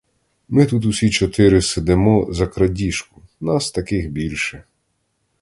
Ми тут усі чотири сидимо за крадіжку, нас таких більше.